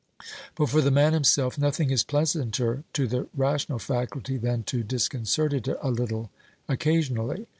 But for the man himself nothing is pleasanter to the rational faculty than to disconcert it a little occasionally.